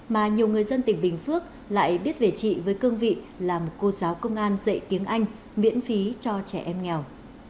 mà nhiều người dân tỉnh bình phước lại biết về chị với cương vị là một cô giáo công an dạy tiếng anh miễn phí cho trẻ em nghèo